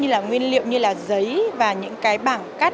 như là nguyên liệu như là giấy và những cái bảng cắt